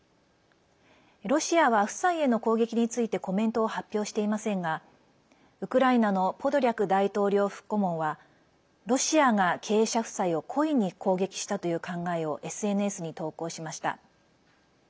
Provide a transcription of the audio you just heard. ロシアは夫妻への攻撃についてコメントを発表していませんがウクライナのポドリャク大統領府顧問はロシアが経営者夫妻を故意に攻撃したという考えをＳＮＳに投稿しました。